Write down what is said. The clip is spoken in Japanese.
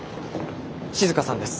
静さんです。